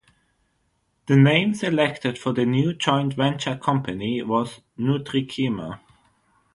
The name selected for the new joint venture company was Nutricima.